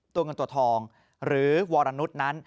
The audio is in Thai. ตัวเงินตัวทองหรือวรนุษย์นั้น